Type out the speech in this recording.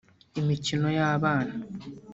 imikino y’abana